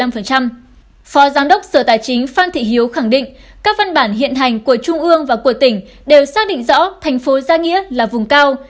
phó giám đốc sở tài chính phan thị hiếu khẳng định các văn bản hiện hành của trung ương và của tỉnh đều xác định rõ thành phố gia nghĩa là vùng cao